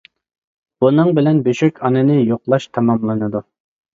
بۇنىڭ بىلەن بۆشۈك ئانىنى يوقلاش تاماملىنىدۇ.